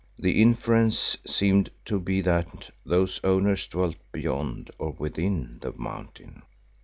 The inference seemed to be that those owners dwelt beyond or within the mountain.